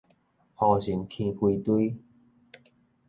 胡蠅拑規堆